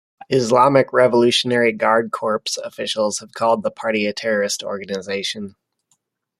Islamic Revolutionary Guard Corps officials have called the party a terrorist organization.